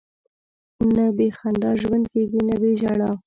نه بې خندا ژوند کېږي، نه بې ژړا.